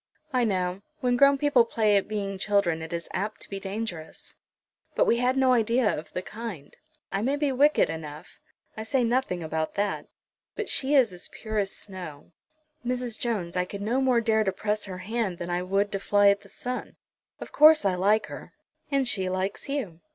"I know. When grown people play at being children, it is apt to be dangerous." "But we had no idea of the kind. I may be wicked enough. I say nothing about that. But she is as pure as snow. Mrs. Jones, I could no more dare to press her hand than I would to fly at the sun. Of course I like her." "And she likes you."